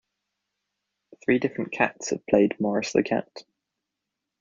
Three different cats have played Morris the Cat.